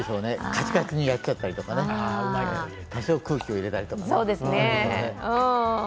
カチカチにやっちゃったりとかね、多少空気を入れたりとか。